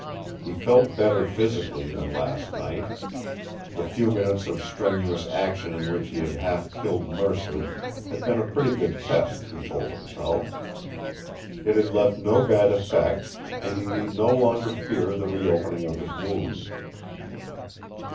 He felt better physically than last night. The few minutes of strenuous action in which he had half killed Mercer had been a pretty good test, he told himself. It had left no bad effect, and he need no longer fear the reopening of his wound.